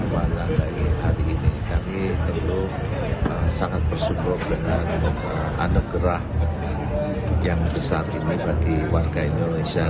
pada hari ini kami tentu sangat bersyukur dengan anugerah yang besar bagi warga indonesia